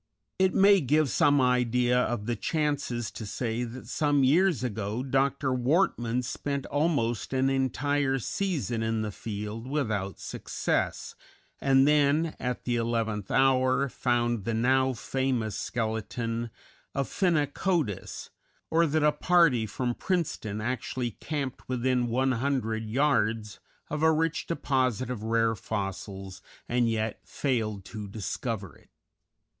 It may give some idea of the chances to say that some years ago Dr. Wortman spent almost an entire season in the field without success, and then, at the eleventh hour, found the now famous skeleton of Phenacodus, or that a party from Princeton actually camped within 100 yards of a rich deposit of rare fossils and yet failed to discover it.